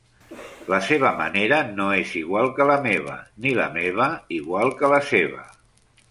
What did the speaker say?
La seva manera no és igual que la meva, ni la meva igual que la seva.